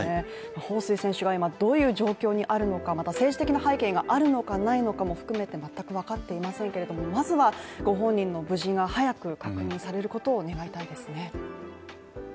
ホウ・スイ選手は今どういう状況にあるのかまた政治的な背景があるのかないのかも含めて全くわかっていませんけれども、まずはご本人の無事が早く確認されることを願いたいですね。